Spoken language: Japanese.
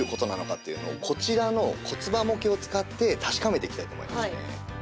っていうのをこちらの骨盤模型を使って確かめていきたいと思いますね。